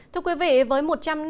thưa quý vị với một trăm năm mươi sáu